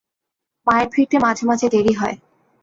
মায়ের ফিরতে মাঝে মাঝে দেরী হয়।